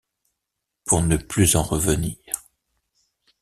Pour ne plus en revenir...